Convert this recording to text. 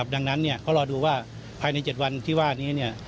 ดังนั้นเขารอดูว่าภายใน๗วันที่ว่านี้